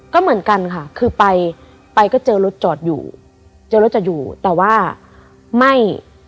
ก็เหมือนกันค่ะคือไปไปก็เจอรถจอดอยู่เจอรถจะอยู่แต่ว่าไม่